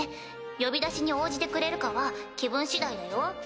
呼び出しに応じてくれるかは気分次第だよ。